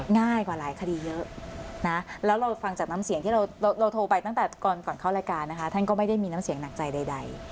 ง่ายกว่าหลายคดีเยอะนะแล้วเราฟังจากน้ำเสียงที่เราโทรไปตั้งแต่ก่อนเข้ารายการนะคะท่านก็ไม่ได้มีน้ำเสียงหนักใจใด